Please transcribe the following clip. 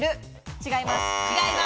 違います。